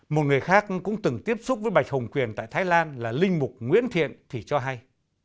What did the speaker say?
một người khác cũng từng tiếp xúc với bạch hồng quyền tại thái lan là linh mục nguyễn thiện thì cho hay